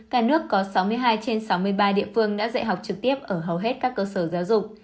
cả nước có sáu mươi hai trên sáu mươi ba địa phương đã dạy học trực tiếp ở hầu hết các cơ sở giáo dục